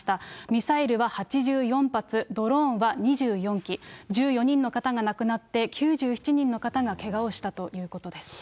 ミサイルは８４発、ドローンは２４機、１４人の方が亡くなって、９７人の方がけがをしたということです。